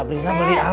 kita burung ya